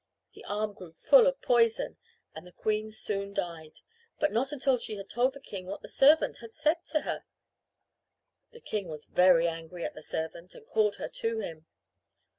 The arm grew full of poison and the queen soon died, but not until she had told the king what the servant had said to her. The king was very angry at the servant and called her to him.